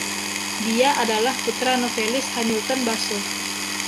Dia adalah putra novelis Hamilton Basso.